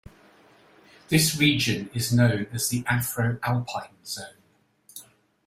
This region is known as the Afro-alpine zone.